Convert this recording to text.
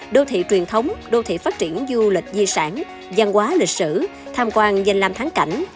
đô thị truyền thống đô thị phát triển du lịch di sản giang hóa lịch sử tham quan danh làm tháng cảnh